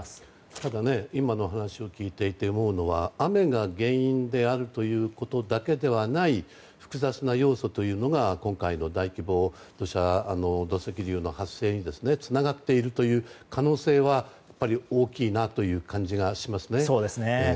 ただ、今の話を聞いていて思うのは雨が原因であるということだけではない複雑な要素が今回の大規模土石流の発生につながっているという可能性はやっぱり大きいなという感じがしますね。